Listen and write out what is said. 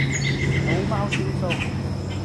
老貓燒鬚